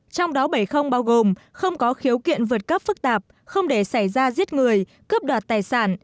trong đó bảy không bao gồm không có khiếu kiện vượt cấp phức tạp không để xảy ra giết người cướp đoạt tài sản